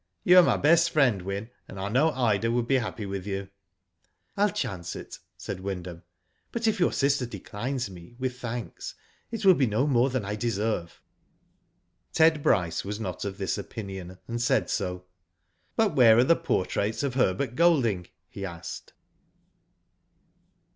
"You are my best friend, Wyn, and I know Ida would be happy with you." •* I'll chance it," said Wyndham. '* But if your sister declines me with thanks, it will be no more than I deserve." Ted Bryce was not of this opinion, and said Digitized byGoogk IN THE STUDIO. 223 so ;" but where are the portraits of Herbert Golding ?" he asked.